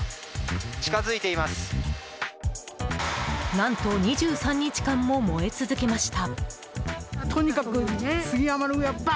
何と２３日間も燃え続けました。